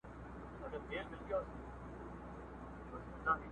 o ها ښه دريه چي ئې وهل، هغې هم گوز واچاوه٫